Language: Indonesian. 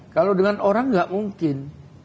kalau dengan orang nggak mungkin